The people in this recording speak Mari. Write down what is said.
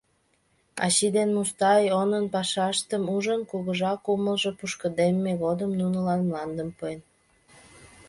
Ачий ден Мустай онын пашаштым ужын, кугыжа кумылжо пушкыдемме годым нунылан мландым пуэн.